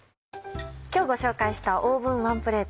今日ご紹介した「オーブンワンプレート」。